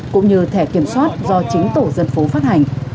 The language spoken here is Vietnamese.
cũng như thẻ kiểm soát do chính tổ dân phố phát hành